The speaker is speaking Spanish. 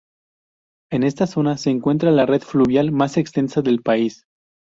En esta zona se encuentra la red fluvial más extensa del país.